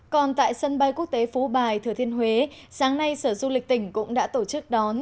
còn tại sân bay quốc tế phú bài thừa thiên huế sáng nay sở du lịch tỉnh cũng đã tổ chức đón